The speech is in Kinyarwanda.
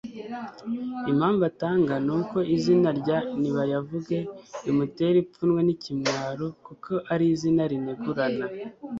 Impamvu atanga ni uko izina rya NIBAYAVUGE rimutera ipfunwe n ikimwaro kuko ari izina rinegurana